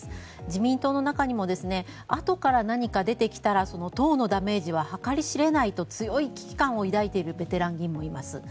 自民党の中にもあとから何か出てきたら党のダメージは計り知れないと強い危機感を抱いているベテラン議員もいます。